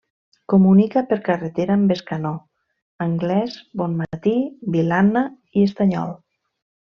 Comunica per carretera amb Bescanó, Anglès, Bonmatí, Vilanna i Estanyol.